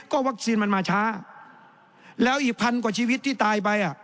วัคซีนมันมาช้าแล้วอีกพันกว่าชีวิตที่ตายไปอ่ะ